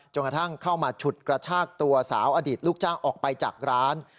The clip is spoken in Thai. กระทั่งเข้ามาฉุดกระชากตัวสาวอดีตลูกจ้างออกไปจากร้าน